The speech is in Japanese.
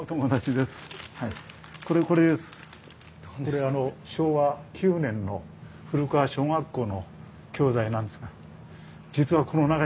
これあの昭和９年の古川小学校の教材なんですが実はこの中にですね